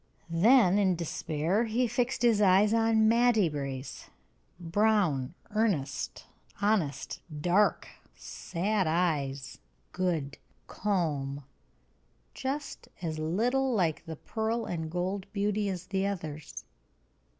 Then, in despair, he fixed his eyes on Mattie Brace brown, earnest, honest, dark, sad eyes, good, calm just as little like the pearl and gold beauty as the others.